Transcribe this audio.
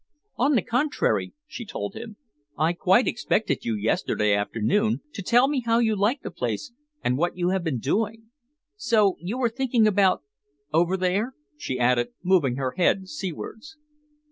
"On the contrary," she told him, "I quite expected you yesterday afternoon, to tell me how you like the place and what you have been doing. So you were thinking about over there?" she added, moving her head seawards.